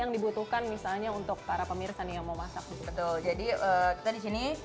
yang dibutuhkan misalnya untuk para pemirsa nih yang mau masak betul jadi kita disini